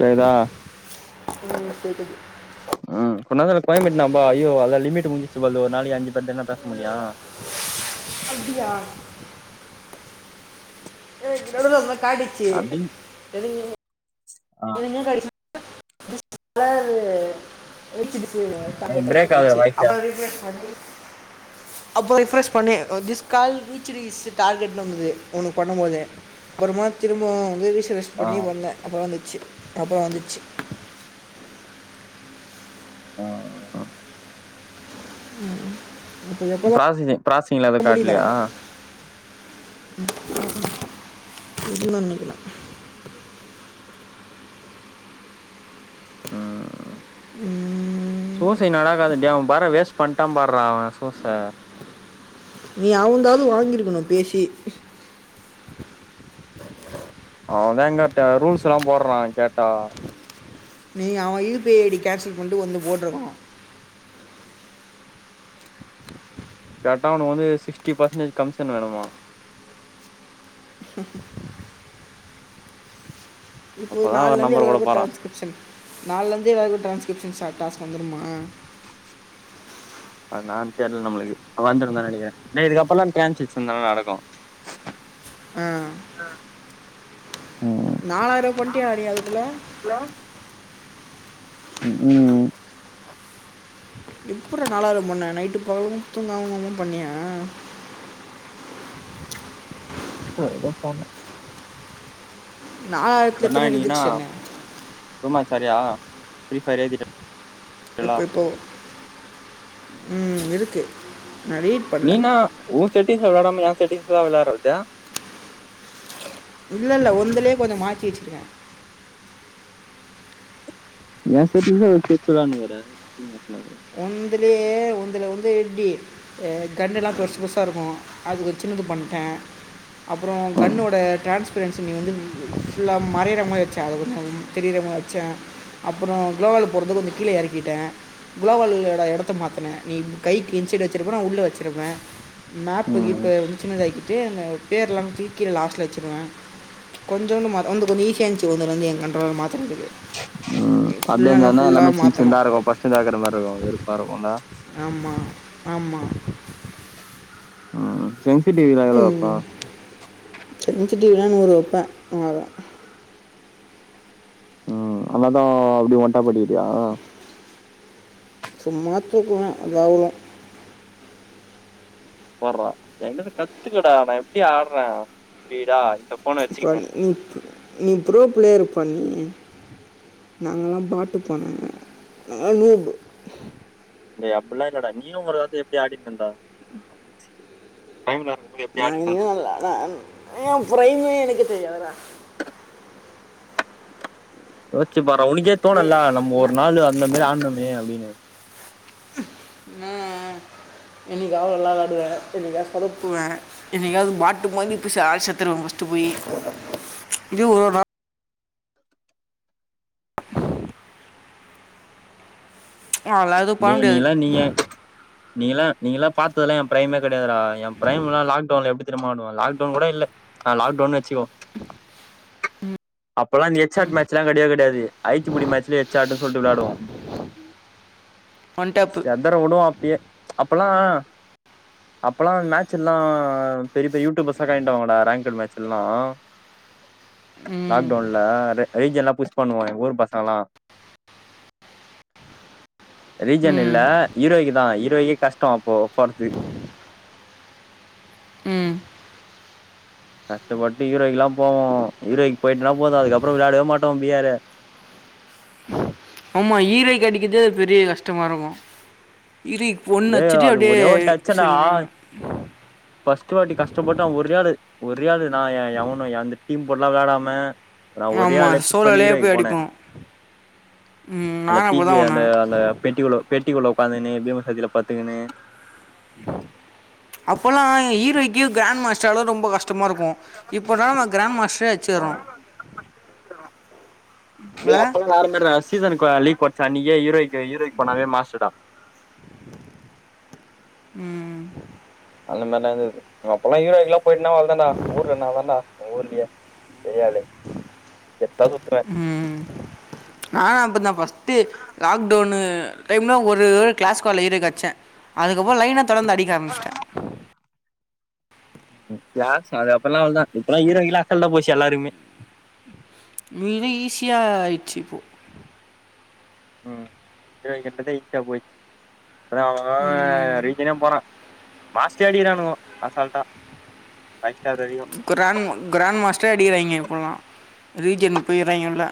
கேக்தா ம் கேக்குது ம் உன்னால குழம்பிடேன்பா அய்யோ அத லிமி்ட் முடிஞ்ச்சு பா ஒரு நாளைக்கு அஞ்சு பேர்டத பேச முடியும் அப்டியா ஏ தொலதொலப்ப காட்டி அடிங் அ ஏன் கடி ம் அதாது ஏத்திட்டு போய்ருவாங்க தங்க எனக்கு டைம் பிரேக் ஆகுது ஆயிச்சு வாய்ஸு அப்றோ ரீஃப்ரெஷ் பண்ணி அப்ப ரிஃப்ரெஷ் பண்ணி திஸ் கால் ரீச்டு ஹிஸ் டார்கெட்னு வந்தது ஒனக்கு பண்ணும்போது அப்பறமா திரும்பவும் வந்து ரீஷரஷஸ் ஆ பண்ணி வந்த அப்பறோ வந்துச்சு அப்பறோ வந்துச்சு அ அ ம் ம் ப்ராசசிங் ப்ராசிங்ல எது காட்லையா இதுவு நிக்கலா ம், சூசை நடகாதுன்டே அவன் பாறா வேஸ்ட் பண்டான் பார்றா அவன் சூச நீ அவுன்ந்தாது வாங்கிருக்கணு பேசி அவன் தான்ங்கேட்ட ரூல்ஸ் எல்லா போடுறா கேட்டா நீங்க அவன் யு பி ஐடி கேன்சல் பண்ட்டு வந்து போட்டுருக்கனு கேட்டா அவனுக்கு வந்து சிக்ஸ்டி பெர்சன்டேஜ் கமிஷன் வேணுமா இப்போ அப்பதா அவர் நாள்லருந்து நம்பர் கூட எல்லாருக்கு போறா டிரான்ஸ்கிரிப்ஷன் நாள்லருந்து எல்லாருக்கு டிரான்ஸ்கிரிப்ஷன் ஸா டாஸ்க் வந்துருமா அது என்னான் தெர்ல நம்மளுக்கு‌ வந்துருந்தா நனைக்கிற டேய் இதுக்கப்பறோல்லா‌ ட்ரான்ஸ்‌கிர்ப்ஷன் தான்டா நடக்கு அ நாலாயிரோ பண்ட்டியா நீஅதுக்குல்ல ஹலோ ம் ம் ம் எப்பட்றா நாலாயிரோ பண்ண நைட்டு பகலு தூங்காம ஒக்காந்து பண்ணியா ந ஏதோ பண்ண நாலாயிரத்துல கண்ணா எத்தனை நீ என்னா ரிஜெக்ஷனு ரூம்மேட்ச் வரியா ஃப்ரீஃபயர் ஏத்திட்ட எப்ப இப்போ ம் இருக்கு நா ரீட் நீ பண்ணல என்னா ஓ செட்டிங்ஸ்ல விளாடாம எ செட்டிங்ஸ்ல விளாரத்து இல்ல இல்ல ஒன்துலே கொஞ்சோ மாத்தி வச்சிக்கற ஏ செட்டிங்ஸ்ச வச்சிவச்சி விளாண்டுக்றாரு [unintelligible] ஒந்துலே ஒந்துல வந்து எப்டி எ கன்யெல்லா பெருசு பெருசா இருக்கு அதுவ சின்னது பண்ட்ட அப்றோ கன்னோட டிரான்ஸ்பரன்சி நீ வந்து ஃபுல்லா மறையிற மாரி வச்ச அத கொஞ்ச தெரியிர மா ச்ச அப்றோ குளோவல் போறத கொஞ்சோ கீழ எறக்கிட்ட குலோவல்லோடா எடத்த மாத்துன நீ கைக்கு இன் சைடு வச்சிருப்ப நா உள்ள வச்சுருப்ப ம் மேப்கீப்பு சின்னதாக்கிட்டு அந்த பேர்ல்லா தூக் கீல லாஸ்ட்ல வச்சிருவ கொஞ்சோண்டு மாத் ஒந்து கொஞ்சோ ஈசியா இருந்ச்சி ஒன்து வந்து ஏ கண்ட்ரோல மாத்ரதுக்கு ம் அப்டியே இந்தான்னா எல்லாமே சின் சின்ந்தாருக்கு ஃபஸ்ட்டு தாக்கற மாரி இருக்கு வெறுப்பா இருக்குல ஆமா ஆமா ம் ம் சென்சிடிவ்வ ம் சென்சிட்டிவ்னா நூரு வப்ப அவ்ளோதா ம் அதனால்தா அப்டி ஒண்டா படிக்கிரியா சும்மா தூக்குவ அப்டிலா இல்ல பார்ட்றா எ கிட்டருந்து கத்துக்டா நா எப்டி ஆடுற ஸ்பீடா இந்த ஃபோன வச்சுக்கினு [unintelligible] நீ நீ ப்ரோ பிளேயரு பா நீ நாங்கலா பாட்டுபானோங்க நானோ பா டேய் அப்டீலா இல்லடா நீயு ஒரு காலத்துல எப்டி ஆடிட் இர்ந்தடா அப்டீயு ச்சீ டைம் என்னா இருக்கோ நானு நீயு நல்லா தா ஆட்ணோ ஏ பிரைமே எனக்கு தெரியாதடா. யோச்சி பார்ரா உனக்கே நான் தோணோல நம்ம ஒரு நான் நாளு அந்த மேரி ஆன்னோமே அப்டீனு ம் ம் என்னிக்கா நல்லா வெளாடுவே என்னிக்கா சொதப்புவே என்னிக்காவது மாட்டும்போது பிஸால்செத்துருவ ஃபர்ஸ்ட்டு போயி லீவு ஒரு நாள் அதெல்லாம் எதுவும் பண்ண டேய் முடியாது நீங்கலா நீங்க நீங்களா நீங்களால்ல பாத்ததெல்லா ஏ பிரைமே கெடையாதுடா எ ப்ரைமெல்லா லாக்டவுன்ல எப்டி எப்டீ தெரிமாடுவ லாக் டவுன் கூட இல்ல அ லாக்டவுனு வெச்சிக்கோ அப்பெல்லா இந்த ஹெச்சாட் மேட்சலா கெடையவே கெடையாது ஐச் சி புடி மேட்சலே ஹட்ச் ஆட்டன்டு சொல்ட்டு வெளாடுவோ ஒண் டேப்பு ஒதரவுடுவோ அப்டியே அப்பெல்லா அப்பெல்லா மேட்செல்லா பெரிய பெரிய யூடியூபர்ஸ்லா கணெக்ட்டாவாங்கடா ரேங்கட் மேட்செல்லா ம் லாக்டவுன்ல ரே ஐஜெல்லா புஷ் பண்ணுவே எங்க ஊர் பசங்கெல்லா ரீஜன் இல்ல ம் ஈரோயிக்கில்ல ஈரோயிக்கே கஷ்டோ அப்போ போரத்து ம் கஷ்டப்பட்டு ஹீரோயிகெல்லா போவோ ஹரோயிக்கி போயிட்டோனா போதோ அதுகப்றோ வெளாடவே மாட்டோ பியாரு ஆமா ஈரோயிக்கெடிக்கறதே பெரிய கஷ்டமா இருக்கோ இரிக் ஒன்னு டே அச்சிட்டு அது அப்டியே ஒரே செல்னேர்ந்த ஃபர்ட்டு வாட்டி கஷ்டப்பட்டு அவ ஒரே ஆளு ஒரே ஆளு நா ஏ எவனு அந்த டீம்போட்லா வேளாடாம நா ஒரே ஆளே ஆமாம் புஷ் பண்ணி சோலோலே போய் ஈரோயிக்கு போனே அடிப்போம் ம், அந்த நானும் அப்படி பீக்கு தான் ஒன்று அந்த அந்த பெட்டிவுள்ள பெட்டிவுள்ள ஒக்காந்துகுன்னு பீமசத்தில பத்துக்குன்னு அப்போல்லா ஹீரோகி கிராண்ட் மாஸ்டரால ரொம் ரொம்ப கஷ்டமாருக்கோ இப்போலா நா கிராண் மாஸ்டரே அச்சிறோ ல யார்மேலடா சீசன்க்கு லீ் கொச்ச அன்னிக்கே ஹீரோயிக்கு ஹீரோயிக்கு போனாவே மாசுதா ம் அந்த மாரிலா இர்ந்தது அப்போல்லா ஹரோயிக்கெல்லா போயிட்டுனா அவ்ளோ தாண்டா ஊர்ல நா தாண்டா எங்க ஊர்லயே பெரியாளு கெத்தா சுத்தற நானா அப்பதா ஃபஸ்ட்டு லாக்டவுனு டைம்ல ஒரு கிளாஸ் ஸ்குவாட் ஹீரோயிக் அட்ச்சே அதுக்கப்புறோ லைனா தொடர்ந்து அடிக்க ஆரம்ச்சிட்ட ஏ க்ளாஸு அது அப்ப எல்லா அவளதா இப்பல்லா ஹீரோயிக்கலா அசால்ட்டா போச்சு எல்லாருக்குமே மீனே ஈஸியாயிச்சு இப்போ ம் டேய் கெட்டதே ஈஸியா போய்ச்சு இப்பதா அவ ரீஜ்ஜனே போறா மாஸ்டேரே அடிக்கிறானுங்கோ அசால்டா ஃபைவ் ஸ்டார் வரையு கிராண்ட் கிராண்ட் மாஸ்டர அடிக்கிறாய்ங்க இப்போலா ரீஜனுக்கு போயிறாய்ங்க எல்லா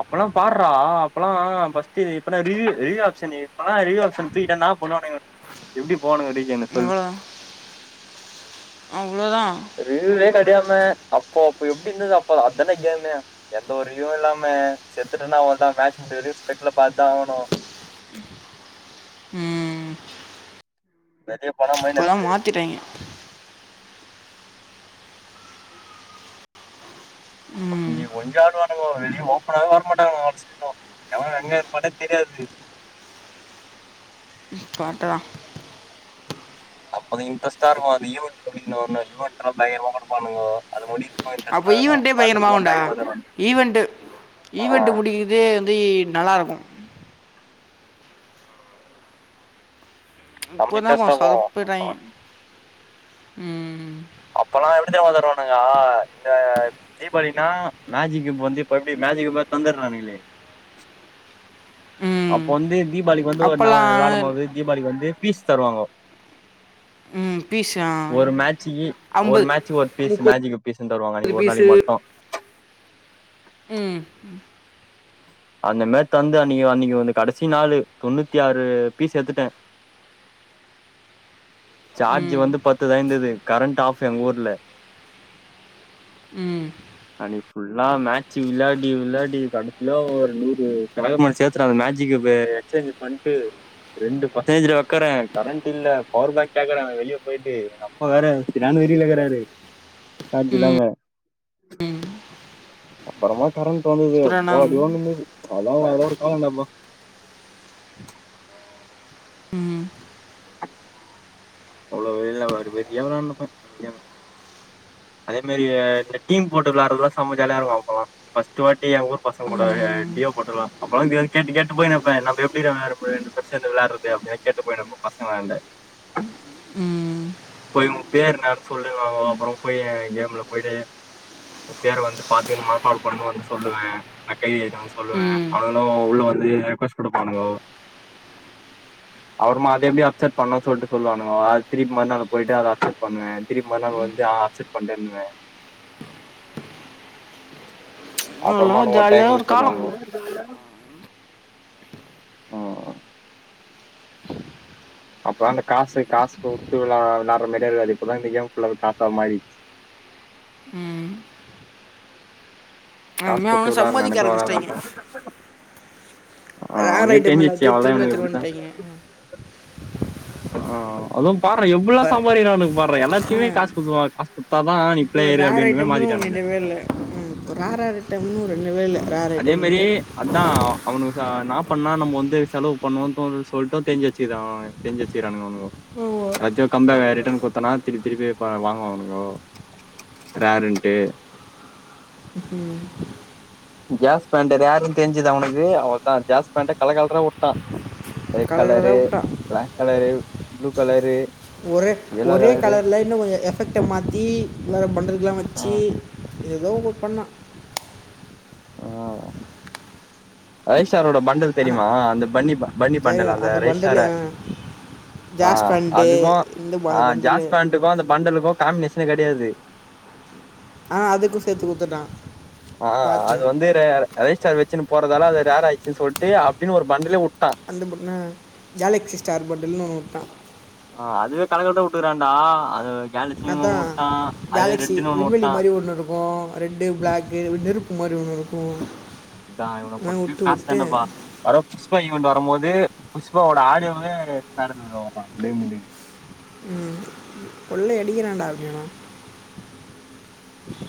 அப்பெல்லா பார்றா அப்பெல்லா பஸ்ட்டியரு இப்ப தா ரிவ்யூ ரிவ்யூ ஆப்ஷனு அப்பனா ரிவ்யூ ஆப்ஷன் தூக்கிட்டானா இன்னா பண்ணுவானுங்க எப்டி போவானுங்க டேய் எவ்வளோ அவ்வளோதா ரிவூவே கெடையாம அப்போ அப்போ எப்டி இருந்தது அப்போ அதான்டா கேமே எந்த ஒரு ரிவ்யையு இல்லாம செத்துட்டனா அவ்ளோதா மேட்ச் முடியுறவெரியோ ஸ்பெக்குல பாத்துதா ஆவணு ம் வெளிய போனோ இப்போதான் மைனஸு மாற்றிட்டாங்க ம் இங்க [unintelligible] ஆடுவானுங்க வெளிய ஓப்பனவே வர மாட்டாங்கா அவ செய் எவன் எங்க இருப்பானே தெரியாது ப்ப ஆட்டதா அப்ப அது இட்ரெஸ்ட்டா இருக்கு அந்த ஈவண்ட் முடியுன்னு ஈவெட்ல்லா பயங்கரமா குடுப்பாணுங்கோ அது முடியக்கு அப்ப ஈவென்டே பயங்கரமா உண்டா ஈவென்ட்டு ஆ ஈவென்ட் முடிக்க இதே வந்து நல்லாருக்கு செம்ம இப்போதா இன்ட்ரெஸ்ட்டா கொஞ்சோ போவும். சொதப்புராங்கே ம் அப்பல்லா எப்படி தெரியுமா தருவானுங்க இந்த தீபாவளினா மேஜிக் வந்து இப்ப எப்படி மேஜிக் தந்துட்றானங்களே ம் அப்போ வந்து தீபாவளிக்கு வந்து ஒரு ந விளாடும் அப்போல்லாம் போது தீபாவளிக்கு வந்து பீஸ் தருவாங்க ம் பீஸ் ஒரு மேட்சிக்கி ஒரு ஐம்பது மேட்சுக்கு ஒரு பீஸ் முப்பது மேஜிக்கு பீஸ்ன்னு தருவாங்க அன்னைக்கு ஒரு பீஸு நாளைக்கு மட்டு ம் அந்த நேத்து வந்து அன்னைக்கு அன்னைக்கு வந்து கடைசி நாலு தொண்ணூத்தி ஆறு பீஸ் எத்துட்டே சார்ஜ் ம் வந்து பத்து தா இருந்தது கரண்ட் ஆஃப் எங்க ஊர்ல ம் அன்னைக்கு ஃபுல்லா மேட்ச் விளையாடி விளையாடி கடைசில ஒரு நூறுதகமணி சேத்துட்டு அந்த மேஜிக்க எக்ஸ்சேஞ்ச் பண்ணிட்டு ரெண்டு பசன்டேஜ்ல வைக்கறே கரண்ட் இல்ல பவர் பேங்க் கேட்கறே வெளியே போயிட்டு எங்க அப் பா வேற சரியான வெறில இருக்கறாரு சார்ஜ் இல்லாம அப்புறமா கரண்ட் வந்தது புராணம் அப்பாடியோன்னு இருந்தது அதலா அதல ஒருகாலோன்டாமா ம் அவ்ளோ வெளிய அவரு வெறியா [unintelligible] அதே மாரி இந்த டீம் போட்டு விளாடுறதுலா சம ஜாலியா இருக்கு அப்பலாம் ஃபர்ஸ்ட் வாட்டி எங்க ஊர் பசங்களோட ம் டியோ போட்டுலாம் அப்பல்லா கேட்டு கேட்டு போயினு இருப்பே நம்ம எப்டி [unintelligible] சேந்து விளையாடுறது அப்படின் கேட்டு போயினு இருப்பே பசங்களாண்ட போய் உன் பேர் என்னானு சொல்லுங்காங்க அப்புறம் போய் கேம்ல போயிட்டு அந்த பேர் வந்து பாத்துக்குணு மனப்பாடம் பண்ணினு வந்து சொல்லுவே நா கை எடுத்துனு வந்து சொல்லுவே ம் மொதல்ல உள்ள வந்து ரெக்வஸ்ட் குடுப்பானுங்க அவுர் மா எப்டி அக்சட் பண்ணனு சொல்ட்டு சொல்லுவானுங்கோ அது திருப்பி மறுநாள் போயிட்டு அத அக்சப் பண்ணுவே திரும்பி மறுநாள் வந்து அக்சப்ட் பண்ட்டேன்னுவே அப்பறமா அதெல்லாம் அவனுங்க ஒரு ஜாலியாக டைமிங் காலம் சொல்லுவானுங்க ம் அப்புற அந்த காசு காஸ் குடுத்து விள விளாட்ற மாறியே இப்பதா இந்த கேம் ஃபுல்லாவே காசா மாரிச்சி ம் காசு அந்தமாரி அவுங்க குடுத்து விளாடுற சம்பாரிக்க நெனப்பே வராது ஆரம்பிச்சிட்டாங்கே அப்ப ஆ அவனுக்கே ஐட்டம் தெரிஞ்சிச்சி எல்லாத்தையும் அவள்தா திரும்ப இவனுங்க இப்டிதா திரும்பிட்டாங்க ஆ அதும் பார்றா எப்புல்லா இப்போ சம்பாரிக்குறானுங்க பார்றா ஆ எல்லாத்துமே காஸ் குத்துதா காஸ் குத்தாதா நீ இப்போ பிளேயரு ரேர் அப்டின் கூட ஐட்டம்னு ஒன்று மாத்திடானுங்களே இல்லவே இல்லை ம் ராரவிட்டவுன்னு ரெண்ணுமே இல்ல அதே மாரி அ தா அவனு ச நா பண்ணா நம்ம வந்து செலவு பண்ணுவோ தோணுன் சொல்ட்டு தெரிஞ்சி வச்சிக்கது அவ அவன்க்கு தெரிஞ்சி வச்சிகிறானுங்க அவுனுங்கோ அத்த கம்பன் ரிட்டர்ன் குத்தனா திருப்பி திருப்பி அவனுங்க வாங்குவானுங்கோ ராருண்ட்டு ம் ஜேஸ் பேண்டதா யாரும் தெஞ்சுதா அவனுக்கு அவ தா ஜாஸ் பேண்ட்ட கலகல்ரவுட்டா ரெட் கலர் கலரு கலராக விட்டான் பிளாக் கலரு ப்ளூ கலரு ஒரே எல்லோ ஒரே கலரு கலர்ல இன்னு கொஞ்சம் எஃபெக்ட மாத்தி வேற பண்டல்லா ஆ வச்சி ஏதோ ஒன்னு பண்ணா ம் ரைஷ்ஷாரோட பண்டல் ஆனால் தெரிமா அந்த பன்னி பன்னி பண்டல் தெரியும் அந்த ரைஷ்சார பண்டல் ஆ ஜாஸ் பேண்ட்டு அதுக்கு இந்த ப- ஆ அந்த பண்டலு ஜாஸ் பேண்ட்டுக்கு அந்த பண்டலுக்கு காம்பினேஷனே கெடையாது ஆ அதுக்கு சேத்து குத்துட்டாங்க ஆ அது வந்து ர ரைஸ்டார் வச்சின் போறதால அது ரேர் ஆயிச்சின்னு சொல்ட்டு அப்டின்னு ஒரு பண்டலேவுட்டான் அந்த பண்ணு கேலக்ஸி ஸ்டார் பண்டல்னு ஒன்னுவுட்டா ஆ அதுவே கணக்குலதா வுட்டுகுறான்டா அது கேலக்சின்னு அதா ஒண்ணு உட்டா அதே கேலக்ஸி ரெட்டுன்னு ஒண்ணு விண்வெளி உட்டா மாரி ஒன்னு இருக்கு ரெட்டு பிளாக்கு இப்டி இருப்பு மாரி ஒன்னு இருக்கு இத்தா இவன பொத்தவரிக்கும் காஸ்தான்டப்பா யாரோ புஸ்பைன்ட் வரும்போது புஷ்பாவோட ஆடியோவு வச்சி பேர்டன் பண்ணுவாங்களா இல்லைங் இல்லைங் ம் கொள்ளை அடிக்கிறாண்டா அப்டி அவ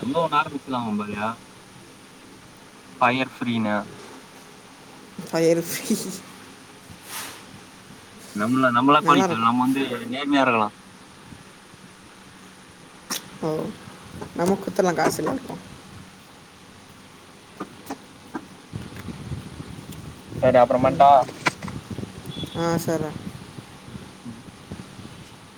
நம்மளே ஒன்னு ஆரம்பிச்சிலா போலையே பயர் ஃப்ரீனு ஃபயர் நம்மள நம்மளா [unintelligible] நல்லாயிருக்கும் நம்ம வந்து நேர்மையாருகலா ஓ நம்குத்தல்லாம காஸ இல்லையாருக்கும் சரி அப்புறம் பண்ட்டா ஆ சோ. ர்ரா ம்